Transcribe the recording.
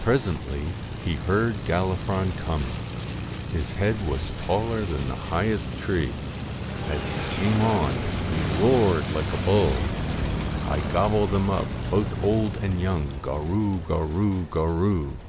Presently he heard Gallifron coming. His head was taller than the highest tree. As he came on, he roared like a bull 1 1 gobble them up, both old and young, Gorroo gorroo gorroo.